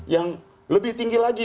yang lebih tinggi lagi